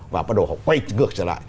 và bắt đầu họ quay ngược trở lại